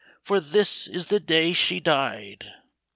For this is the day she died."